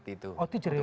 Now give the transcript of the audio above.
itu khas banget itu